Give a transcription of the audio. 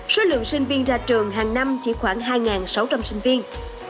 số lượng sinh viên ra trường hàng năm chỉ khoảng hai sáu trăm linh sinh viên